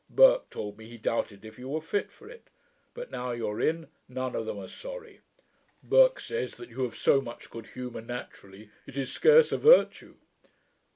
Burke told me, he doubted if you were fit for it: but, now you are in, none of them are sorry. Burke says, that you have so much good humour naturally, it is scarce a virtue.'